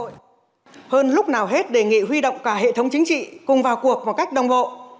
hơn lúc nào hết đề nghị huy động cả hệ thống chính trị cùng vào cuộc một cách đồng bộ